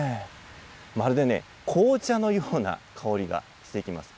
まるでね、紅茶のような香りがしてきます。